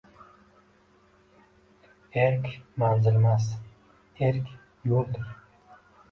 Erk – manzilmas, erk – yo‘ldir